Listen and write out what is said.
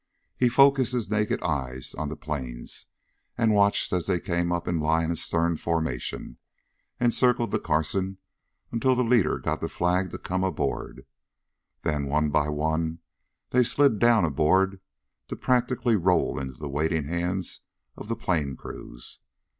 He focussed his naked eyes on the planes, and watched as they came up in line astern formation and circled the Carson until the leader got the flag to come aboard. Then one by one they slid down aboard to practically roll into the waiting hands of the plane crews.